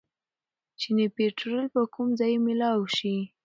چې پيټرول به کوم ځايې مېلاؤ شي